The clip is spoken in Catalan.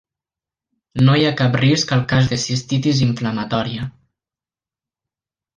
No hi ha cap risc al cas de cistitis inflamatòria.